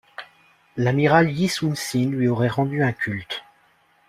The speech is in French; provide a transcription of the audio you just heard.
L’amiral Yi Sun-sin lui aurait rendu un culte.